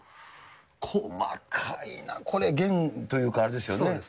細かいな、これ、弦というか、あれですよね。